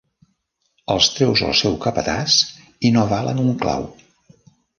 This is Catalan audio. Els treus al seu capatàs i no valen un clau.